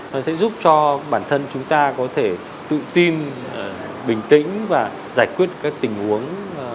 nó sẽ giúp cho bản thân chúng ta có thể tự tin bình tĩnh và giải quyết các tình huống